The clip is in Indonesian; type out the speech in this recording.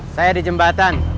saya di jembatan